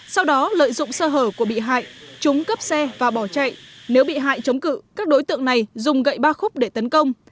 sau đó lợi dụng sơ hở của bị hại chúng cướp xe và bỏ chạy nếu bị hại chống cự các đối tượng này dùng gậy ba khúc để tấn công